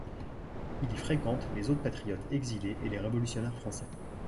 Il y fréquente les autres patriotes exilés et les révolutionnaires français.